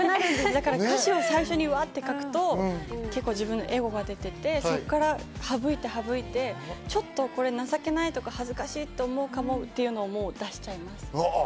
最初にわって歌詞を書くと自分のエゴが出ていて、そこから省いて省いて、ちょっと情けないとか恥ずかしいとか思うかもって事も出しちゃいます。